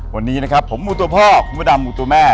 วันนี้นะครับผมหมูตัวพ่อคุณพระดำหมูตัวแม่